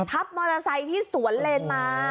มอเตอร์ไซค์ที่สวนเลนมา